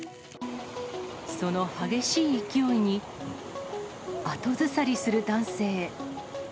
その激しい勢いに、後ずさりする男性。